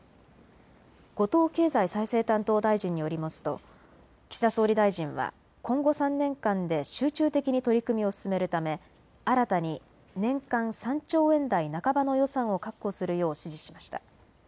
後藤経済再生担当大臣によりますと岸田総理大臣は今後３年間で集中的に取り組みを進めるため新たに年間３兆円台半ばの予算を確保するよう指示しました。